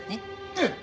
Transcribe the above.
ええ。